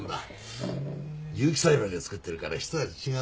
有機栽培で作ってるからひと味違うぞ。